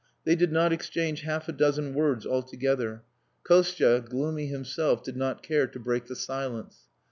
They did not exchange half a dozen words altogether. Kostia, gloomy himself, did not care to break the silence.